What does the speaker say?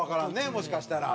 もしかしたら。